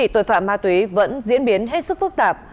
tội phạm ma túy vẫn diễn biến hết sức phức tạp